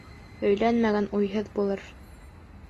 Өйләнмәгән уйһыҙ булыр